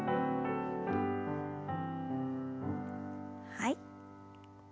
はい。